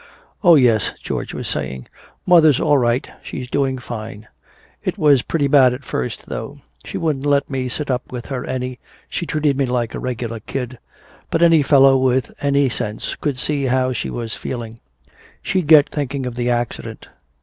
"Oh, yes," George was saying, "mother's all right, she's doing fine. It was pretty bad at first, though. She wouldn't let me sit up with her any she treated me like a regular kid. But any fellow with any sense could see how she was feeling. She'd get thinking of the accident."